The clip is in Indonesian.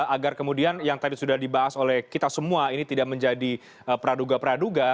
agar kemudian yang tadi sudah dibahas oleh kita semua ini tidak menjadi praduga praduga